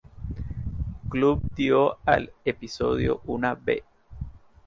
Club dio al episodio una "B".